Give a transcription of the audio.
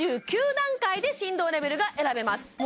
９９段階で振動レベルが選べます